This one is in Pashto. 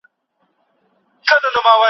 هغه د خپلي پوهي پر بنسټ پرېکړه کړې ده.